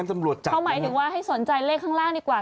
เขาหมายถึงว่าให้สนใจเลขข้างล่างดีกว่า